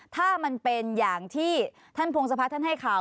ถ้ามันเป็นอย่างที่ท่านพงศพัฒน์ท่านให้ข่าว